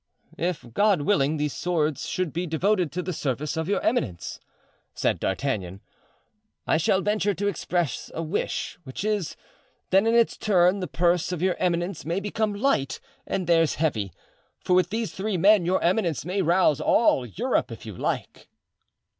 "If, God willing, these swords should be devoted to the service of your eminence," said D'Artagnan, "I shall venture to express a wish, which is, that in its turn the purse of your eminence may become light and theirs heavy—for with these three men your eminence may rouse all Europe if you like."